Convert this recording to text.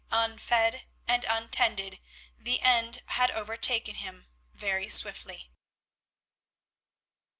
Unfed and untended, the end had overtaken him very swiftly.